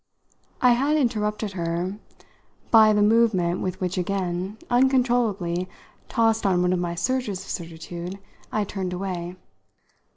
I had interrupted her by the movement with which again, uncontrollably tossed on one of my surges of certitude, I turned away.